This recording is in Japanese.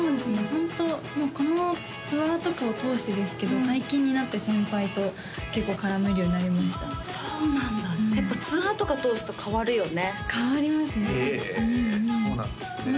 ホントこのツアーとかを通してですけど最近になって先輩と結構絡めるようになりましたそうなんだやっぱツアーとか通すと変わるよね変わりますねへえそうなんですね